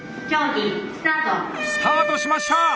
スタートしました！